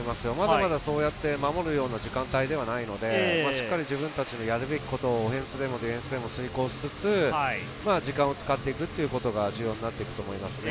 まだ守る時間帯ではないので、しっかりと自分たちのやるべきことをオフェンスでもディフェンスでも遂行しつつ時間を使っていくということが重要になってくると思います。